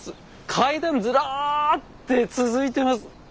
階段ずらって続いてます。